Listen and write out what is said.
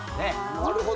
なるほど。